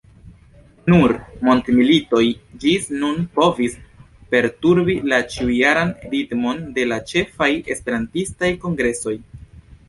Nur mondmilitoj ĝis nun povis perturbi la ĉiujaran ritmon de la ĉefaj esperantistaj kongresoj.